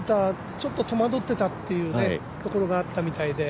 ちょっと戸惑ってたところがあったみたいで。